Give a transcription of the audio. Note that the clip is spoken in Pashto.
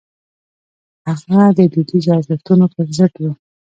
هغه د دودیزو ارزښتونو پر ضد و.